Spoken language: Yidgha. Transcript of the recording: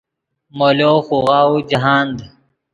مولو خوغاؤو جاہند